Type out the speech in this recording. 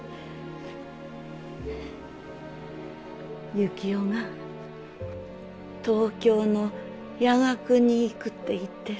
行男が東京の夜学に行くって言ってる。